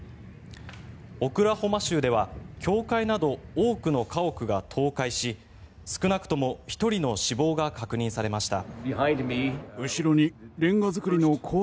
オクラホマ州では教会など多くの家屋が倒壊し少なくとも１人の死亡が確認されました。